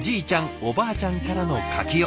おばあちゃんからの柿を。